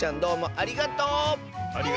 ありがとう！